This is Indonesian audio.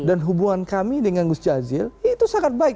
dan hubungan kami dengan gus jazil itu sangat baik